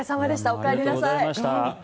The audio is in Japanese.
おかえりなさい。